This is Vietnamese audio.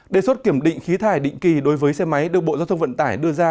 đề xuất kiểm định khí thải định kỳ đối với xe máy được bộ giao thông vận tải đưa ra